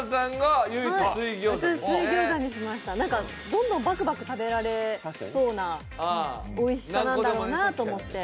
どんどんバクバク食べられそうなおいしさなんだろうなと思って。